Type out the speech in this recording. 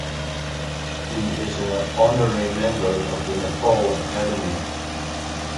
He is an honorary member of the Nepal Academy.